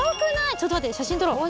ちょっと待って写真撮ろう。